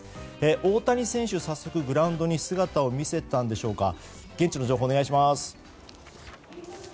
大谷選手、早速グラウンドに姿を見せたんでしょうか現地の情報をお願いします。